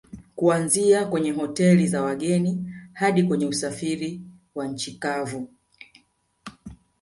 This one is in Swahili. Kuanzia kwenye Hoteli za wageni hadi kwenye usafiri wa nchi kavu